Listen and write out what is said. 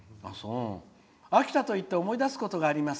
秋田といって思い出すことがあります。